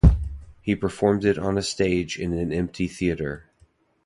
He performed it on a stage in an empty theater.